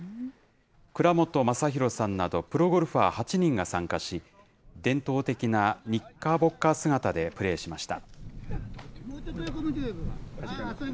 倉本昌弘さんなどプロゴルファー８人が参加し、伝統的なニッカーボッカー姿でプレーしました。